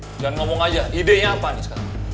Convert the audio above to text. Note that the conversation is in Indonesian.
jangan ngomong aja ide nya apa nih sekarang